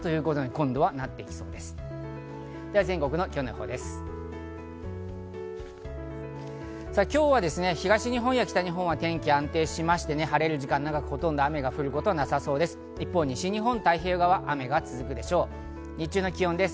今日は東日本や北日本は天気が安定して晴れる時間が長く、ほとんど雨が降ることはなさそうです。